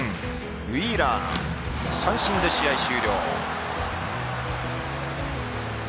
ウィーラー三振で試合終了。